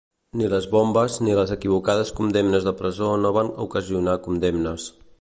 Ni les bombes ni les equivocades condemnes de presó no van ocasionar condemnes.